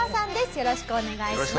よろしくお願いします。